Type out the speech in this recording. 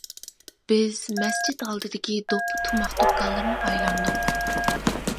بىز مەسچىت ئالدىدىكى دوپپا تۇماق دۇكانلىرىنى ئايلاندۇق.